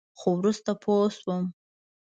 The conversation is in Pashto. خو وروسته پوه شوم.